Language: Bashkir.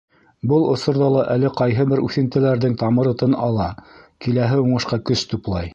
Был осорҙа ла әле ҡайһы бер үҫентеләрҙең тамыры тын ала, киләһе уңышҡа көс туплай.